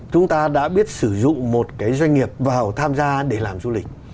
chúng ta đã biết sử dụng một cái doanh nghiệp vào tham gia để làm du lịch